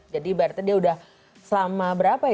jadi ibaratnya dia udah selama berapa ya